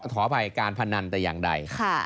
ทอภัยการพนันตรายังใดค่ะค่ะ